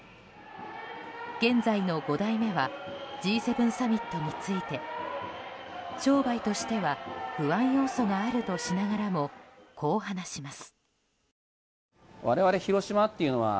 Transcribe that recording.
現在の５代目はＧ７サミットについて商売としては不安要素があるとしながらもこう話します。